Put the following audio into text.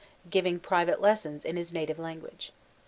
giving private lessons in his native lan guage.